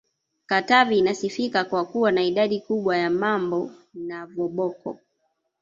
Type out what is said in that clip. Katavi inasifika kwa kuwa na idadi kubwa ya Mambo na voboko n